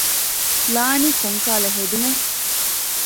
ލާނީ ކޮންކަހަލަ ހެދުމެއް؟